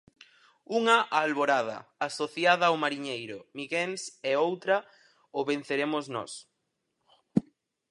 Unha, a Alborada, asociada ao mariñeiro, Miguéns, e, outra, o Venceremos nós.